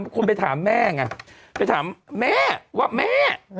คนไปถามแม่ไงไปถามแม่ว่าแม่